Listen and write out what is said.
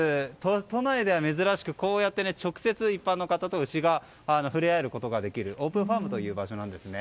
都内では珍しくこうやって直接一般の方と牛が触れ合えることができるオープンファームという場所なんです。